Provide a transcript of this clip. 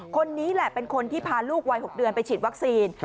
คนนี้แหละเป็นคนที่พาลูกวัย๖เดือนไปฉีดวัคซีน